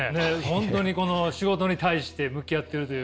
本当にこの仕事に対して向き合ってるというか。